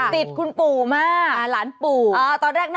ติดคุณปู่มาก